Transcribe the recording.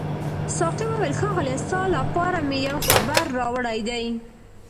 ساقي وویل ښاغلیه ستا لپاره مې یو خبر راوړی دی.